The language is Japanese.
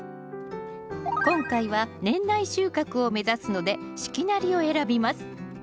今回は年内収穫を目指すので四季なりを選びます